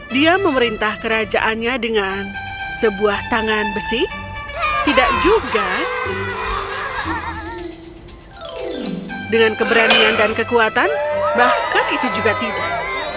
dia memerintah kerajaannya dengan sebuah tangan besi tidak juga dengan keberanian dan kekuatan bahkan itu juga tidak